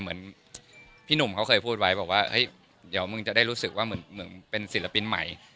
เหมือนพี่หนุ่มเขาเคยพูดไว้บอกว่าเฮ้ยเดี๋ยวมึงจะได้รู้สึกว่าเหมือนเป็นศิลปินใหม่